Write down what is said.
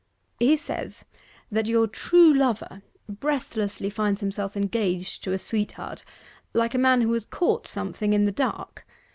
'He says that your true lover breathlessly finds himself engaged to a sweetheart, like a man who has caught something in the dark.